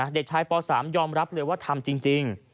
เด็กชายป๓ยอมรับเลยว่าทำจริง